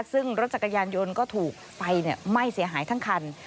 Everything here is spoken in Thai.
ซึ่งรถจักรยานยนต์ก็ถูกไฟไหม้เสียหายทั้งคัน